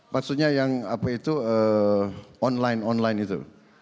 maksudnya yang apa itu online online itu